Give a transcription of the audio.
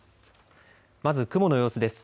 まず雲の様子です。